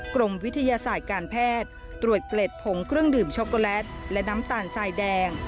กรมวิทยาศาสตร์การแพทย์ตรวจเกล็ดผงเครื่องดื่มช็อกโกแลตและน้ำตาลสายแดง